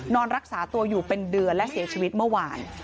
นอนรักษาตัวอยู่เป็นเดือนและเสียชีวิตเมื่อวาน